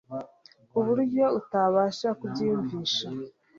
kuburyo utabasha kubyiyumvisha